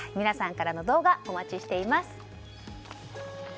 皆さんからの動画お待ちしています。